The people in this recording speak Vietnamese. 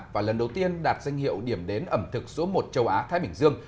và lần đầu tiên đạt danh hiệu điểm đến ẩm thực số một châu á thái bình dương